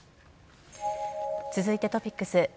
続いてトピックス。